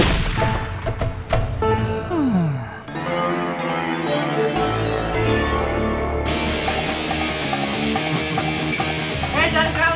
hei jangan kemana mana kamu hei